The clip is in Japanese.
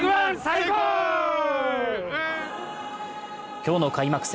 今日の開幕戦